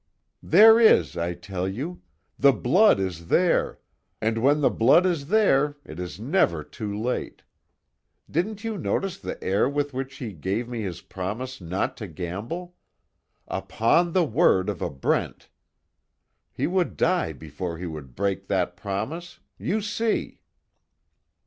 "There is, I tell you! The blood is there and when the blood is there it is never too late! Didn't you notice the air with which he gave me his promise not to gamble 'Upon the word of a Brent.' He would die before he would break that promise you see."